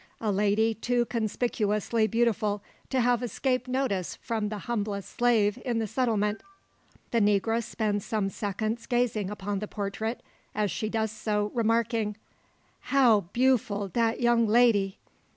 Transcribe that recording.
A lady too conspicuously beautiful to have escaped notice from the humblest slave in the settlement. The negress spends some seconds gazing upon the portrait, as she does so remarking, "How bewful dat young lady!"